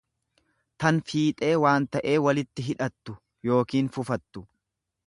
tan fiixee waan ta'ee walitti hidhattu yookiin fufattu.